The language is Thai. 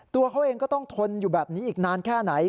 ตัวเขาเองก็ต้องทนอยู่แบบนี้อีกนานแค่ไหน